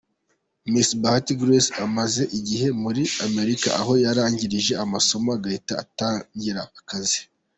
Miss Bahati Grace amaze igihe muri Amerika, aho yarangije amasomo agahita anatangira akazi.